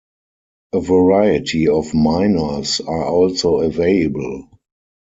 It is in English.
A variety of minors are also available.